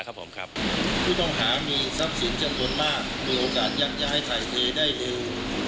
ครับผมครับผู้ต้องหามีทรัพย์สินจำนวนมากมีโอกาสยักย้ายถ่ายเทได้เร็ว